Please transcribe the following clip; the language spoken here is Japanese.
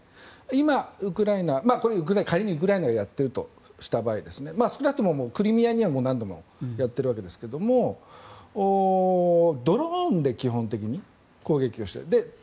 今、ウクライナ仮にウクライナがやっているとした場合少なくともクリミアには何度もやっているわけですがドローンで基本的に攻撃をしている。